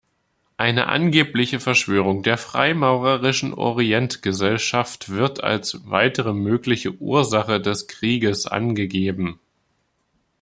Eine angebliche Verschwörung der freimaurerischen Orientgesellschaft wird als weitere mögliche Ursache des Krieges angegeben.